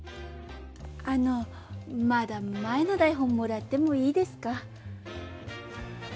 あのまだ前の台本もらってもいいですか？